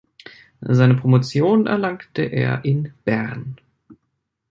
Seine Promotion erlangte er in Bern.